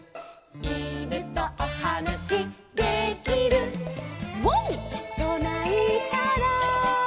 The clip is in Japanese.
「いぬとおはなしできる」「ワンとないたら」